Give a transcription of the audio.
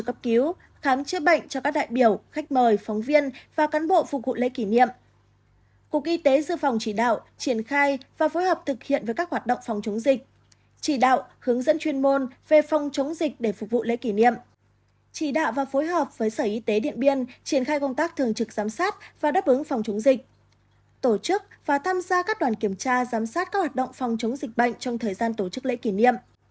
tổ chức và tham gia các đoàn kiểm tra giám sát các hoạt động phòng chống dịch bệnh trong thời gian tổ chức lễ kỷ niệm